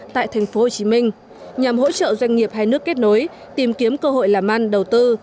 tại tp hcm nhằm hỗ trợ doanh nghiệp hai nước kết nối tìm kiếm cơ hội làm ăn đầu tư